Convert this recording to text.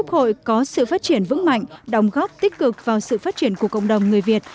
hội có sự phát triển vững mạnh đồng góp tích cực vào sự phát triển của cộng đồng người việt